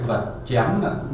cái vật chém cái vật chém